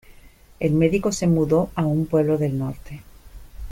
El médico se mudó a un pueblo del norte.